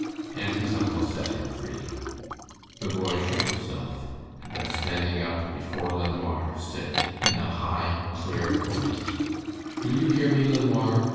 And his uncle set him free. The boy shook himself, and then standing up before LeNoir said, in a high, clear voice: "Will you hear me, LeNoir?